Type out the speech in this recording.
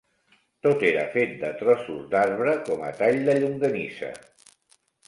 Tot era fet de trossos d'arbre com a tall de llonganissa